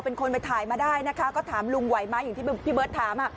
ก็ถามว่าลุงไหวป่ะ